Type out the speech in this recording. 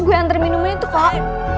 gue antar minumnya itu kak